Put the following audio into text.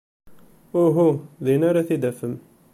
Uhu. Din ara t-id-afen.